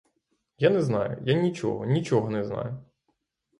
Я не знаю, я нічого, нічого не знаю!